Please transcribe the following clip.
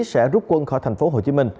sẽ rút quân khỏi tp hcm